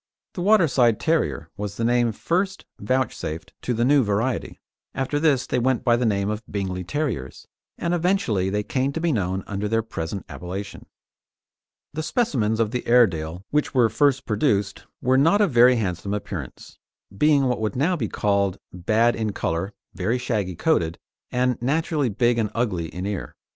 The Waterside Terrier was the name first vouchsafed to the new variety. After this they went by the name of Bingley Terriers, and eventually they came to be known under their present appellation. The specimens of the Airedale which were first produced were not of very handsome appearance, being what would now be called bad in colour, very shaggy coated, and naturally big and ugly in ear.